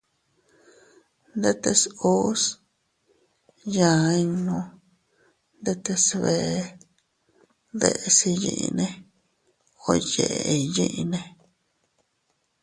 Ndetes uus yaa innu ndetes bee deʼes iyyinne o yeʼe iyinne.